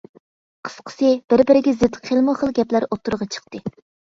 قىسقىسى، بىر-بىرىگە زىت خىلمۇ خىل گەپلەر ئوتتۇرىغا چىقتى.